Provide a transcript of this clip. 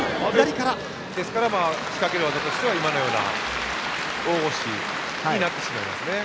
ですから仕掛ける技としては大腰になってしまいますね。